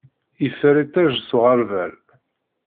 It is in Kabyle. Yeffer iṭij s uɣerbal.